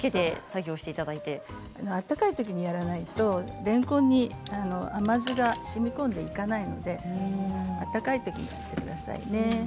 温かいときにやらないとれんこんに甘酢がしみこんでいかないので温かいときにやってくださいね。